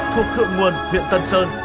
thuộc thượng nguồn miệng tân sơn